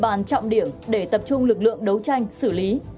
địa bàn trọng điểm để tập trung lực lượng đấu tranh xử lý